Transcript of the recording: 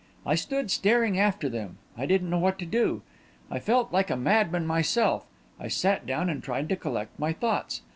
"I stood staring after them. I didn't know what to do. I felt like a madman myself. I sat down and tried to collect my thoughts.